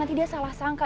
nanti dia salah sangka